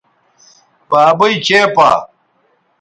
بابئ چےپا